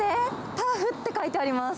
タフって書いてあります。